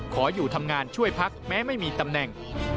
ขออยู่ทำงานช่วยพักแม้ไม่มีตำแหน่ง